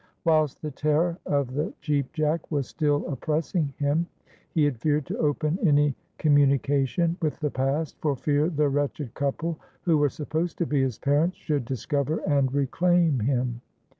Whilst the terror of the Cheap Jack was still oppressing him, he had feared to open any communication with the past, for fear the wretched couple who were supposed to be his parents should discover and reclaim him.